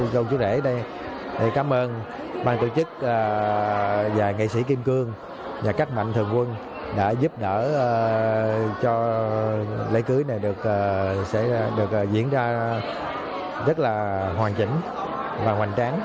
câu chuyện để cảm ơn ban tổ chức và nghệ sĩ kim cương và các mạnh thường quân đã giúp đỡ cho lễ cưới này sẽ diễn ra rất là hoàn chỉnh và hoàn trang